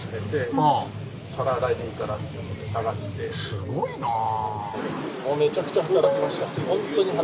すごいなあ。